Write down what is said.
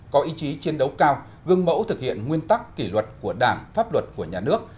có ý chí chiến đấu cao gương mẫu thực hiện nguyên tắc kỷ luật của đảng pháp luật của nhà nước